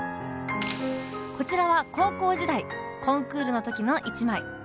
こちらは高校時代コンクールの時の一枚。